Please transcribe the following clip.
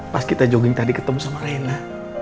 pas kita jogging tadi ketemu sama raina